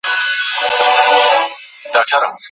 کمپيوټر رنګونه ښيي.